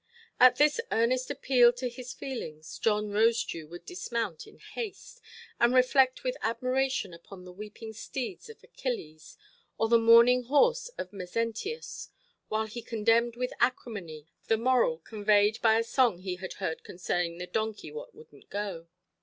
At this earnest appeal to his feelings, John Rosedew would dismount in haste, and reflect with admiration upon the weeping steeds of Achilles, or the mourning horse of Mezentius, while he condemned with acrimony the moral conveyed by a song he had heard concerning the "donkey wot wouldnʼt go".